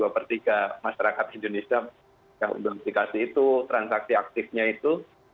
dua per tiga masyarakat indonesia sudah dikasih itu transaksi aktifnya itu